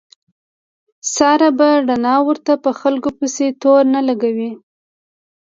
ساره په رڼا ورځ په خلکو پسې تورو نه لګوي.